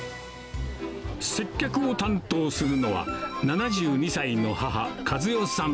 接客を担当するのは、７２歳の母、和代さん。